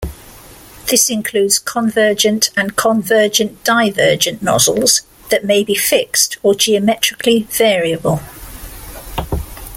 This includes convergent and convergent-divergent nozzles that may be fixed or geometrically variable.